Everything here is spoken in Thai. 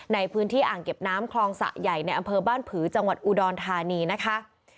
ในพื้นที่อ่างเก็บน้ำคลองสะใหญ่ในอำเภอบ้านผือจังหวัดอุดรธานีนะคะ